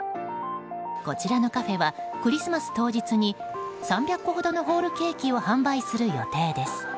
こちらのカフェはクリスマス当日に３００個ほどのホールケーキを販売する予定です。